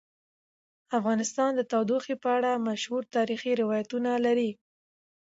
افغانستان د تودوخه په اړه مشهور تاریخی روایتونه لري.